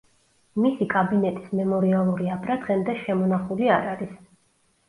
მისი კაბინეტის მემორიალური აბრა დღემდე შემონახული არ არის.